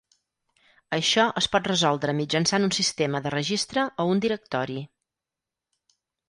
Això es pot resoldre mitjançant un sistema de registre o un directori.